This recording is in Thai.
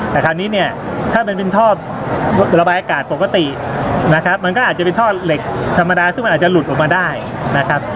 แต่คราวนี้เนี่ยถ้ามันเป็นท่อระบายอากาศปกตินะครับมันก็อาจจะเป็นท่อเหล็กธรรมดาซึ่งมันอาจจะหลุดออกมาได้นะครับ